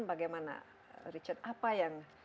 bagaimana richard apa yang